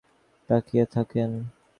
কেননা, দোকানিরা এ মাসের দিকে তাকিয়ে থাকেন।